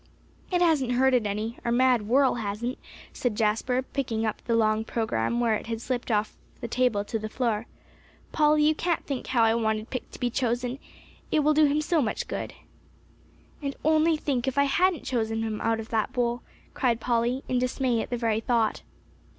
"It hasn't hurt it any our mad whirl hasn't," said Jasper, picking up the long program where it had slipped off the table to the floor. "Polly, you can't think how I wanted Pick to be chosen. It will do him so much good." "And only think, if I hadn't chosen him out of that bowl!" cried Polly, in dismay at the very thought.